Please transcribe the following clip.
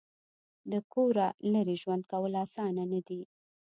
د کوره لرې ژوند کول اسانه نه دي.